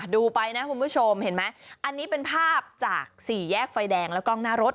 ดูไปนะคุณผู้ชมเห็นไหมอันนี้เป็นภาพจากสี่แยกไฟแดงและกล้องหน้ารถ